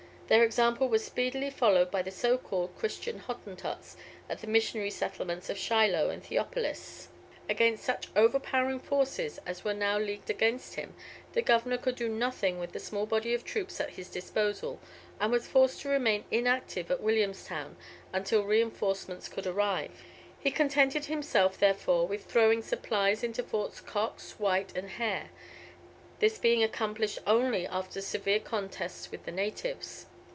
Their example was speedily followed by the so called Christian Hottentots at the missionary settlements of Shiloh and Theopolis. Against such overpowering forces as were now leagued against him, the Governor could do nothing with the small body of troops at his disposal, and was forced to remain inactive at Williamstown until reinforcements could arrive. He contented himself, therefore, with throwing supplies into Forts Cox, White, and Hare, this being accomplished only after severe contests with the natives.